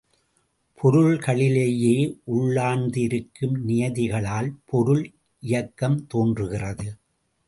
பொருள்களிலேயே உள்ளார்ந்து இருக்கும் நியதிகளால் பொருள் இயக்கம் தோன்றுகிறது.